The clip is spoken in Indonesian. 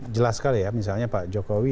jelas sekali ya misalnya pak jokowi